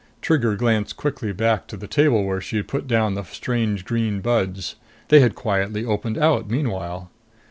Trigger glanced quickly back to the table where she had put down the strange green buds. They had quietly opened out meanwhile.